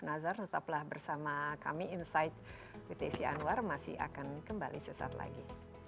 nazar tetaplah bersama kami insight with desi anwar masih akan kembali sesaat lagi